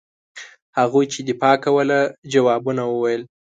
هغوی چې دفاع کوله ځوابونه وویل.